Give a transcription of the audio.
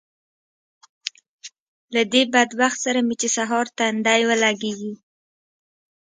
له دې بدبخت سره مې چې سهار تندی ولګېږي